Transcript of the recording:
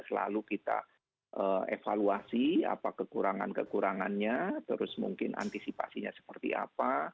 selalu kita evaluasi apa kekurangan kekurangannya terus mungkin antisipasinya seperti apa